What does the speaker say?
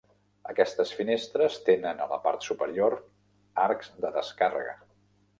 Aquestes finestres tenen a la part superior arcs de descàrrega.